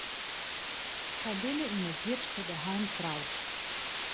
Sy binne yn it djipste geheim troud.